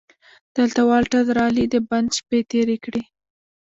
دلته والټر رالي د بند شپې تېرې کړې.